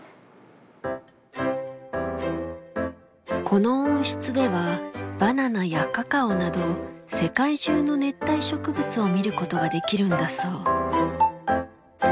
この温室ではバナナやカカオなど世界中の熱帯植物を見ることができるんだそう。